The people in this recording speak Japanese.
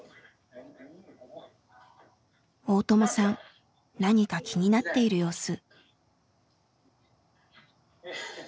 大友さん何か気になっている様子。